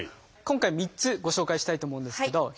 今回３つご紹介したいと思うんですけど。